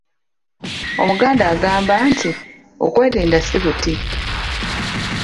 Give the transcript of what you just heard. "Omuganda agamaba nti, “Okwerinda si buti...”"